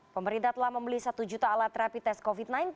pemerintah telah membeli satu juta alat rapi tes covid sembilan belas